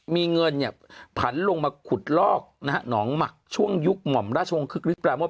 มีเงินผันลงมาขุดลอกหนองหมักช่วงยุคหม่อมราชงค์คริสต์ปราโมร์